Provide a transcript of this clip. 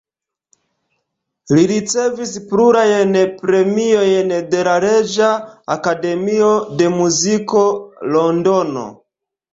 Li ricevis plurajn premiojn de la Reĝa Akademio de Muziko, Londono.